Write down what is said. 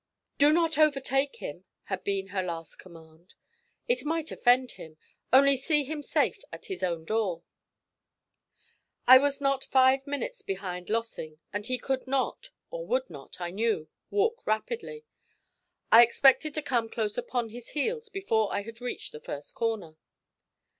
'Do not overtake him,' had been her last command. 'It might offend him. Only see him safe at his own door.' I was not five minutes behind Lossing, and he could not, or would not, I knew, walk rapidly. I expected to come close upon his heels before I had reached the first corner.